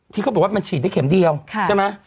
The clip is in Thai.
เขาบอกว่ามันฉีดได้เข็มเดียวใช่ไหม